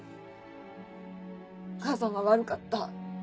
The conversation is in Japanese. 母さんが悪かった。